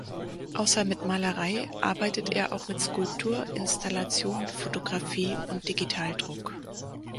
Außer mit Malerei arbeitet er auch mit Skulptur, Installation, Fotografie und Digitaldruck.